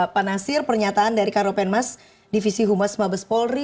pak nasir pernyataan dari karopenmas divisi humas mabes polri